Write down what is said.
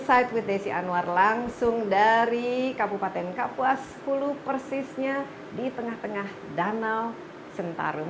insight with desi anwar langsung dari kabupaten kapuas sepuluh persisnya di tengah tengah danau sentarum